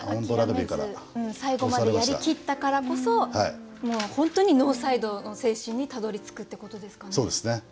途中で諦めず最後までやりきったからこそもう本当にノーサイドの精神にたどりつくってことですかね。